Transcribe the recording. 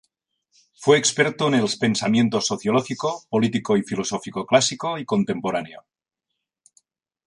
Fue experto en el pensamiento sociológico, político y filosófico clásico y contemporáneo.